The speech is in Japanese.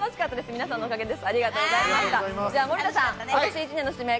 皆さんのおかげです。